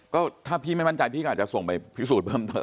ก็ถ้าพี่ไม่มั่นใจพี่ก็อาจจะส่งไปพิสูจน์เพิ่มเติม